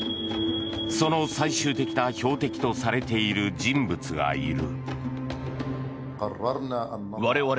その最終的な標的とされている人物がいる。